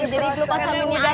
jadi glukosaminnya aja